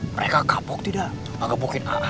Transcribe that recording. mereka kapuk tidak ngegebukin aa